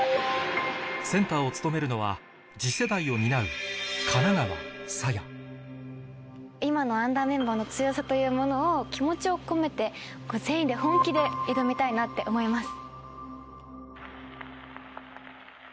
センターを務めるのは次世代を担う今のアンダーメンバーの強さというものを気持ちを込めて全員で本気で挑みたいなって思います。